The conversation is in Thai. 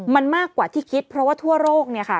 มันมากกว่าที่คิดเพราะว่าทั่วโลกเนี่ยค่ะ